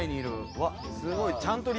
うわっすごい。